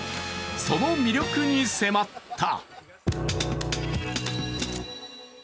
その魅力に迫った。